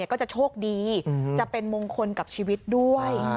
ก็จะโชคดีจะเป็นมงคลกับชีวิตด้วย